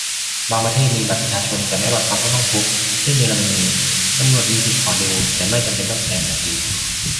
บางประเทศมีบัตรประชาชน แต่ไม่บังคับว่าต้องพก เช่น เยอรมนี ตำรวจมีสิทธิขอดู แต่ไม่จำเป็นต้องแสดงทันที